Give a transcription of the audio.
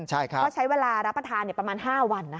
ก็ใช้เวลารับประทานประมาณ๕วัน